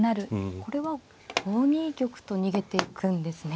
これは５二玉と逃げていくんですね。